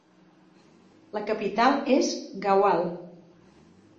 La capital és Gaoual.